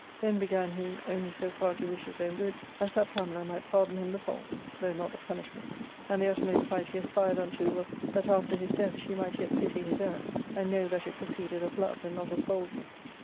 Then began he only so far to wish his own good as that Pamela might pardon him the fault, though not the punishment ; and the uttermost height he aspired unto was, that after his death she might yet pity his error, and know that it proceeded of love, and not of boldness.